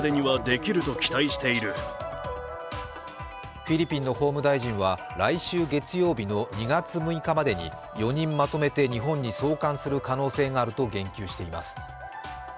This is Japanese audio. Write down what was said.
フィリピンの法務大臣は来週月曜日の２月６日までに４人まとめて日本に送還する可能性があると言及しています。